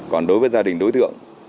còn đối với gia đình đối tượng